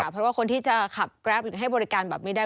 เพราะว่าคนที่จะขับแกรปหรือให้บริการแบบนี้ได้